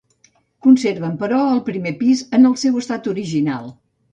Conserven, però el primer pis en el seu estat original.